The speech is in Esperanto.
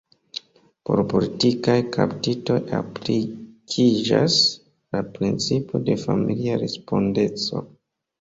Por politikaj kaptitoj aplikiĝas la principo de familia respondeco.